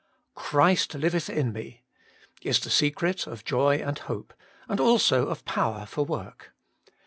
2. Christ liveth in me— is the secret of joy and hope, and also of power for work.